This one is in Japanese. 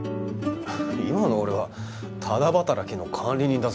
今の俺はタダ働きの管理人だぞ。